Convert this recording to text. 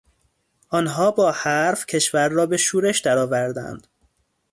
آنها با حرف کشور را به شورش در آوردند.